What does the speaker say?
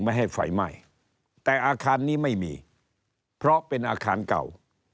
ไม่ให้ไฟไหม้แต่อาคารนี้ไม่มีเพราะเป็นอาคารเก่า